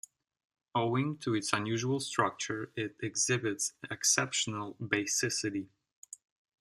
Owing to its unusual structure, it exhibits exceptional basicity.